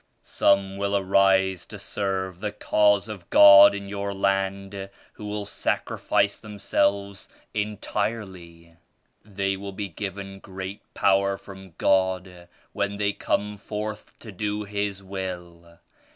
Some will arise to serve the Cause of God in your land who will sacrifice themselves entirely. They will be given great power from God when they come forth to do His Will.